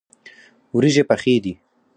وریژې پخې دي.